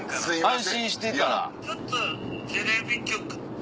安心してたら。